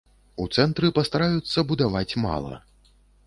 У цэнтры пастараюцца будаваць мала.